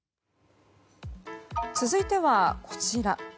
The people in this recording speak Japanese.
続いてはこちら。